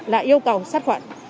là yêu cầu sát khoản